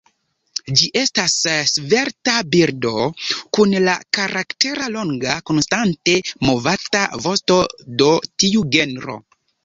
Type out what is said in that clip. Ĝi estas svelta birdo, kun la karaktera longa, konstante movata vosto do tiu genro.